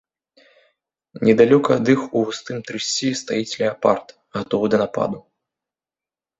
Недалёка ад іх у густым трысці стаіць леапард, гатовы да нападу.